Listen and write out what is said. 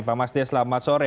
pak mas des selamat sore